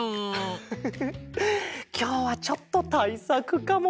フフフフきょうはちょっとたいさくかも。